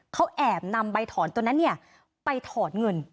เขาแอบนำใบถอนตัวนั้นไปถอนเงิน